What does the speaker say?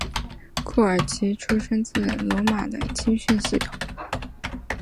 库尔奇出身自罗马的青训系统。